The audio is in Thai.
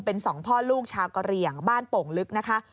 เป็นสองพ่อลูกชาวกะเหลี่ยงบ้านโป่งลึกนะคะ